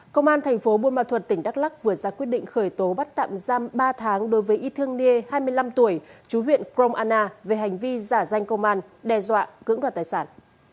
công an thành phố buôn ma thuật tỉnh đắk lắc vừa ra quyết định khởi tố bắt tạm giam ba tháng đối với y thương niê hai mươi năm tuổi chú huyện krong anna về hành vi giả danh công an đe dọa cưỡng đoạt tài sản